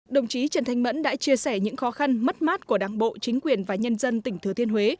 đồng chí trần thanh mẫn đã chia sẻ những khó khăn mất mát của đảng bộ chính quyền và nhân dân tỉnh thừa thiên huế